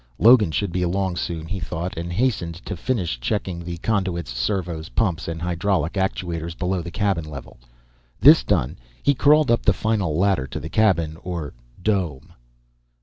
Logan should be along soon, he thought, and hastened to finish checking the conduits, servos, pumps and hydraulic actuators below the cabin level. This done, he crawled up the final ladder to the cabin, or "dome."